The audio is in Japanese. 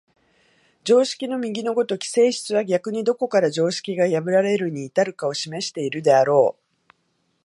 常識の右の如き性質は逆にどこから常識が破られるに至るかを示しているであろう。